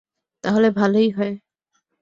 তাহলে ভালোই হয়।